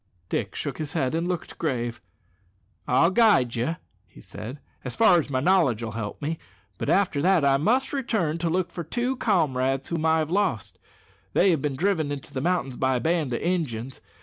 Dick shook his head and looked grave. "I'll guide you," said he, "as far as my knowledge 'll help me; but after that I must return to look for two comrades whom I have lost. They have been driven into the mountains by a band of Injuns.